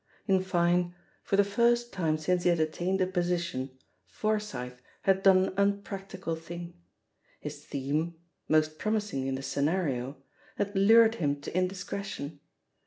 In fine, for the first time since he had attained a position, Forsyth had done an unpractical thing; his theme— mo^; promising in the scenario— had lured him to in discretion.